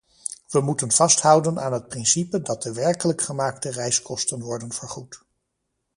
We moeten vasthouden aan het principe dat de werkelijk gemaakte reiskosten worden vergoed.